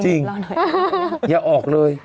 จริงอย่าออกเลย